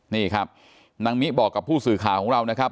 นี่ครับนางมิบอกกับผู้สื่อข่าวของเรานะครับ